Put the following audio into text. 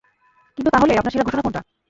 কিন্ত তাহলে আপনার সেরা ঘোষণা কোনটা?